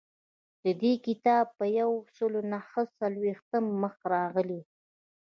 د دې کتاب په یو سل نهه څلویښتم مخ راغلی.